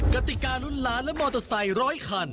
กติการุ้นล้านและมอเตอร์ไซค์ร้อยคัน